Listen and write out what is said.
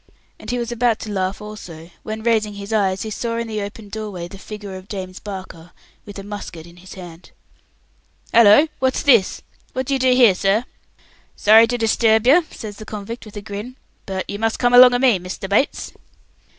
and he was about to laugh also, when, raising his eyes, he saw in the open doorway the figure of James Barker, with a musket in his hand. "Hallo! What's this? What do you do here, sir?" "Sorry to disturb yer," says the convict, with a grin, "but you must come along o' me, Mr. Bates."